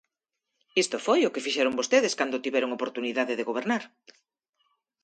Isto foi o que fixeron vostedes cando tiveron oportunidade de gobernar.